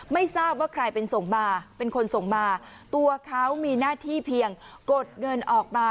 ไม่ทราบว่าใครเป็นส่งมาเป็นคนส่งมาตัวเขามีหน้าที่เพียงกดเงินออกมา